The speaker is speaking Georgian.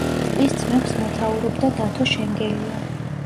ტყის ძმებს მეთაურობდა დათო შენგელია.